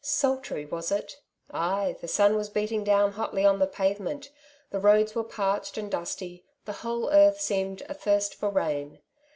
Sultry was it ? Ay, the sun was beating down hotly on the pavement, the roads were parched and dusty, the whole earth seemed athirst for rain.